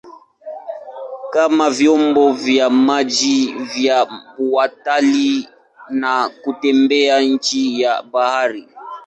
Kuna vyombo vya maji vya watalii na kutembea chini ya bahari.